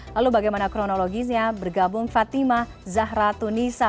lalu bagaimana kronologisnya bergabung fatima zahra tunisa